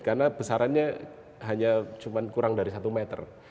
karena besarannya hanya kurang dari satu meter